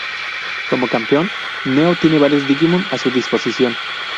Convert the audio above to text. Como campeón, Neo tiene varios Digimon a su disposición.